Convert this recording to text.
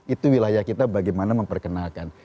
itu wilayah kita bagaimana memperkenalkan